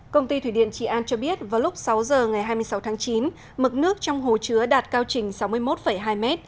công ty thủy điện trị an cho biết vào lúc sáu giờ ngày hai mươi sáu tháng chín mực nước trong hồ chứa đạt cao trình sáu mươi một hai m